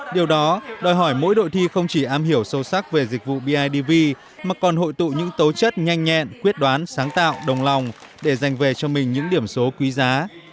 điều đó đòi hỏi mỗi đội thi không chỉ am hiểu sâu sắc về dịch vụ bidv mà còn hội tụ những tố chất nhanh nhẹn quyết đoán sáng tạo đồng lòng để dành về cho mình những điểm số quý giá